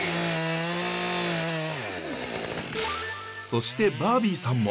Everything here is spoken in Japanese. そしてバービーさんも。